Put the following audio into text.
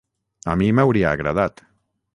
A mi m'hauria agradat.